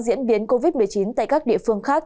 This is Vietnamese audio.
diễn biến covid một mươi chín tại các địa phương khác